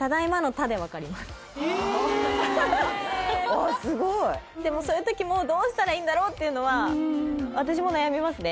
ああすごいでもそういう時もどうしたらいいんだろうっていうのは私も悩みますね